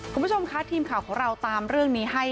คุณผู้ชมคะทีมข่าวของเราตามเรื่องนี้ให้